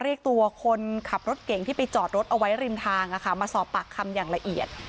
เรียกตัวคนขับรถเก่งที่ไปจอดรถเอาไว้ริมทางมาสอบปากคำอย่างละเอียด